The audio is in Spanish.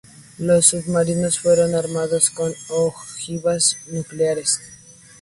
Los submarinos fueron armados con ojivas nucleares.